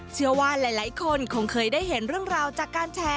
เชื่อว่าหลายคนคงเคยได้เห็นเรื่องราวจากการแชร์